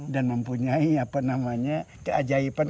dan mempunyai keajaiban